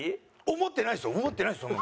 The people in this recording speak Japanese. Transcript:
思ってないですよ思ってないですよ。